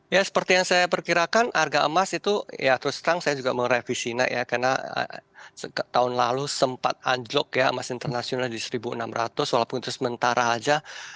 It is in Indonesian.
ya seperti yang saya perkirakan harga emas itu ya terus terang saya juga merevisi ya karena tahun lalu sempat anjlok ya emas internasional di satu enam ratus walaupun untuk sementara aja